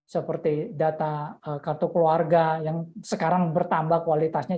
seperti data kartu keluarga yang sekarang bertambah kualitasnya